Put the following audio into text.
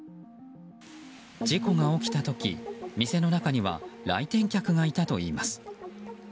事故が起きた時、店の中には来店客がいたといいます。